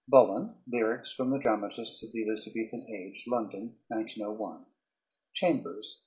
BULLEN. Lyrics from the Dramatists of the Elizabethan Age, London, 1901. CHAMBERS.